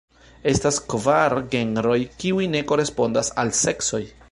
Estas kvar genroj, kiuj ne korespondas al seksoj.